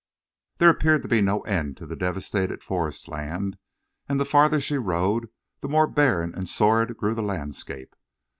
There appeared to be no end to the devastated forest land, and the farther she rode the more barren and sordid grew the landscape.